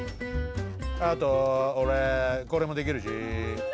あとおれこれもできるし！